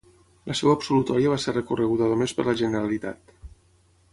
La seva absolutòria va ser recorreguda només per la Generalitat.